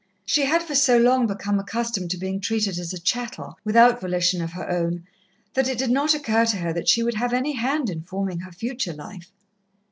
She had for so long become accustomed to being treated as a chattel, without volition of her own, that it did not occur to her that she would have any hand in forming her future life.